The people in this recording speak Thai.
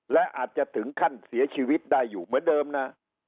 และอาจจะถึงขั้นเสียชีวิตได้อยู่เหมือนเดิมนะ